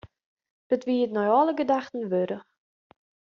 It wie it nei alle gedachten wurdich.